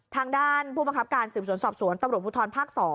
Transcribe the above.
ทางด้านผู้บังคับการสืบสวนสอบสวนตำรวจภูทรภาค๒